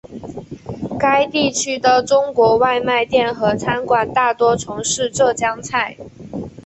该地区的中国外卖店和餐馆大多从事浙江菜。